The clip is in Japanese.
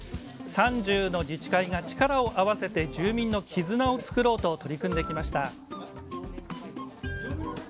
３０の自治会が力を合わせて住民の絆を作ろうと取り組んできました。